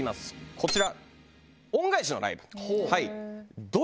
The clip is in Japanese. こちら。